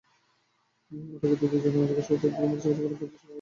আটককৃত দুজন জিজ্ঞাসাবাদে দুটি মোটরসাইকেলে করে পাঁচজন সেখানে গিয়েছিল বলে শিকার করেছেন।